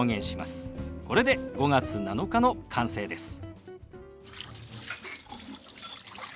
これで「５月７日」の完成です。